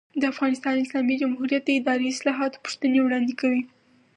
د افغانستان اسلامي جمهوریت د اداري اصلاحاتو پوښتنې وړاندې کوي.